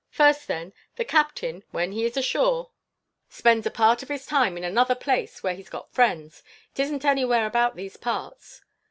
First, then, the captain, when he is ashore, spends a part of his time in another place, where he's got friends. It isn't anywhere about these parts.